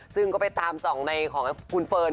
ซึ่งก็ไปตามส่องในของคุณเฟิร์น